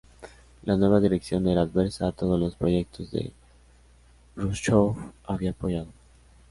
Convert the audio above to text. La nueva dirección era adversa a todos los proyectos que Jrushchov había apoyado.